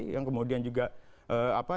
yang kemudian juga diambil